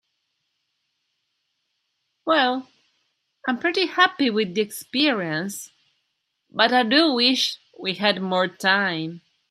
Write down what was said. Well, I am pretty happy with the experience, but I do wish we had more time.